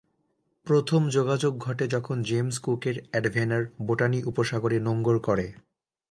প্রথম যোগাযোগ ঘটে যখন জেমস কুকের এনডেভার বোটানি উপসাগরে নোঙ্গর করে।